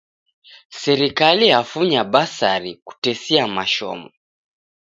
Sirikali yafunya basari Kutesia mashomo